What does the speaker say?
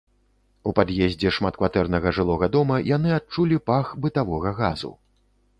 У пад'ездзе шматкватэрнага жылога дома яны адчулі пах бытавога газу.